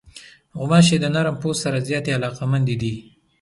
غوماشې د نرم پوست سره زیاتې علاقمندې دي.